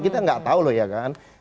kita nggak tahu loh ya kan